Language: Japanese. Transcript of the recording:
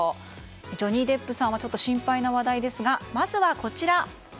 ジョニー・デップさんはちょっと心配な話題ですがまずは、こちら！